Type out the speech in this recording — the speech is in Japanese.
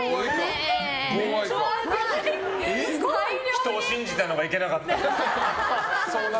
人を信じたのがいけなかった。